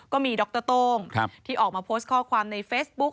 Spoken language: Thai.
มีดรโต้งที่ออกมาโพสต์ข้อความในเฟซบุ๊ค